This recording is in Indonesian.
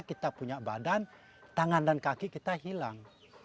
kita punya badan tangan dan kaki kita hilang